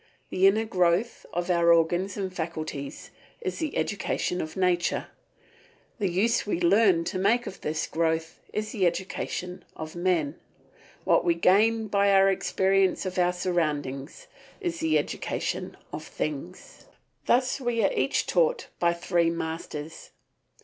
The inner growth of our organs and faculties is the education of nature, the use we learn to make of this growth is the education of men, what we gain by our experience of our surroundings is the education of things. Thus we are each taught by three masters.